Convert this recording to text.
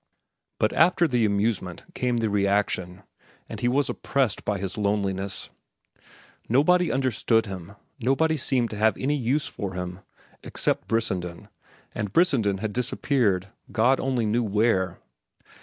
But after the amusement came the reaction, and he was oppressed by his loneliness. Nobody understood him, nobody seemed to have any use for him, except Brissenden, and Brissenden had disappeared, God alone knew where.